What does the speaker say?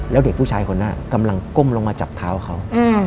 แล้วเด็กผู้ชายคนนั้นกำลังก้มลงมาจับเท้าเขา